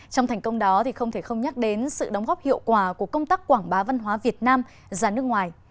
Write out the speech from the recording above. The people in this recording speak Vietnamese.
trong thành công đó thì không thể không nhắc đến sự đóng góp hiệu quả của công tác quảng bá văn hóa việt nam ra nước ngoài